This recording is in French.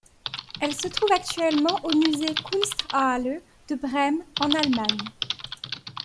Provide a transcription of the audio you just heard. Elle se trouve actuellement au Musée Kunsthalle de Brême en Allemagne.